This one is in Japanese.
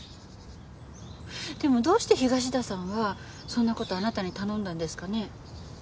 でもどうして東田さんはそんな事あなたに頼んだんですかね？